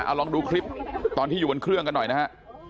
เอาลองดูคลิปตอนที่อยู่บนเครื่องกันหน่อยนะฮะ